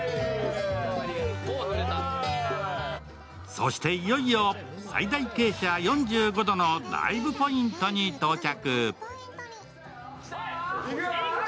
そしていよいよ、最大傾斜４５度のダイブポイントに到着。